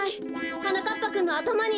はなかっぱくんのあたまに。